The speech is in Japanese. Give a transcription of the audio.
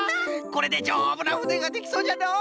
これでじょうぶなふねができそうじゃのう。